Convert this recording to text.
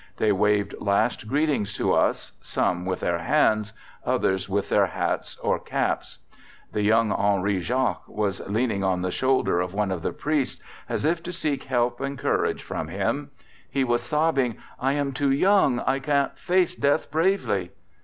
They waved last greetings to us, some with their hands, others with their hats or caps. The young Henri Jacques was leaning on the shoulder of one of the priests, as if to seek help and courage from him: he was sobbing, 'I am too young; I can't face death bravely.